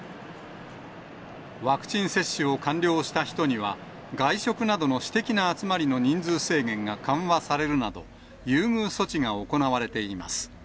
ワクチン接種を完了した人には、外食などの私的な集まりの人数制限が緩和されるなど、優遇措置が行われています。